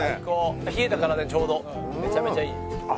冷えた体にちょうどめちゃめちゃいい。